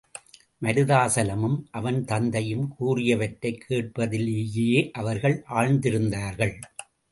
மருதாசலமும், அவன் தந்தையும் கூறியவற்றைக் கேட்பதிலேயே அவர்கள் ஆழ்ந்திருந்தார்கள்.